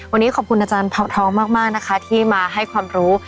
วันนี้ขอบคุณอาจารย์เผาทองมากนะคะที่มาให้ความรู้